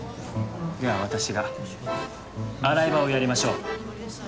では私が洗い場をやりましょう。